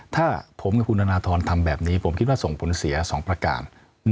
ถ้าผมกับคุณธนทรทำแบบนี้ผมคิดว่าส่งผลเสีย๒ประการ